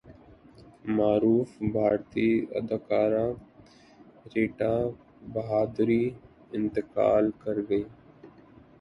معروف بھارتی اداکارہ ریٹا بہادری انتقال کرگئیں